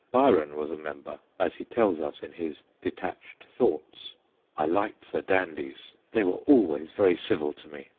Byron was a member, as he tells us in his * detached thoughts.' ' I liked the Dandies ; they were BYRON AT PLAY 51 always very civil to ine.